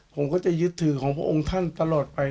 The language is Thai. ผมก็จะยึดถือของพระองค์ท่านตลอดไป